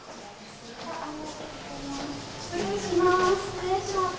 失礼します。